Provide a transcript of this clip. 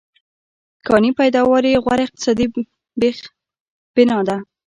کانې پیداوار یې غوره اقتصادي بېخبنا ده.